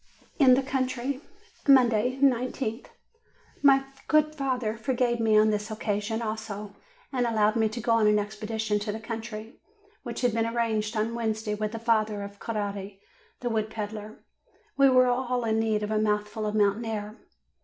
IN THE COUNTRY Monday, iQth. My good father forgave me on this occasion also, and allowed me to go on an expedition to the country, which had been arranged on Wednesday, with the father of Coretti, the wood peddler. We were all in need of a mouthful of mountain air.